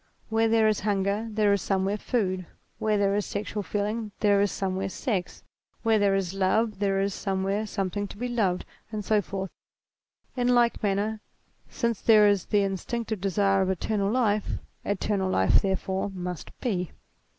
Where there is hunger there is somewhere food, where there is sexual feeling there is somewhere sex, where there is love there is somewhere something to be loved, and IMMORTALITY 205 so forth : in like manner since there is the instinctive desire of eternal life, eternal life there must be.